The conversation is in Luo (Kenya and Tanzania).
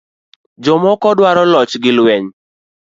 Jomoko dwaro loch gi lweny